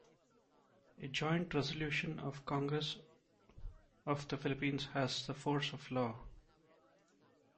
A joint resolution of the Congress of the Philippines has the force of law.